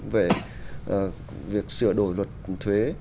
về việc sửa đổi luật thuế